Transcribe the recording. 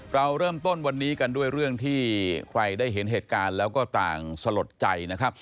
เราเริ่มต้นวันนี้กันด้วยเรื่องที่ใครได้เห็นเหตุการณ์แล้วก็ต่างสลดใจนะครับ